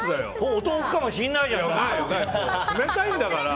お豆腐かもしれないじゃん。